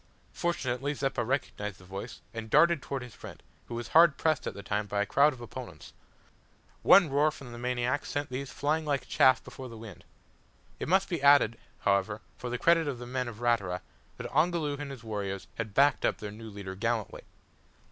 Fortunately Zeppa recognised the voice, and darted towards his friend, who was hard pressed at the time by a crowd of opponents. One roar from the maniac sent these flying like chaff before the wind. It must be added, however, for the credit of the men of Ratura, that Ongoloo and his warriors had backed up their new leader gallantly.